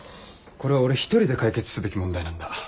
これは俺一人で解決すべき問題なんだ。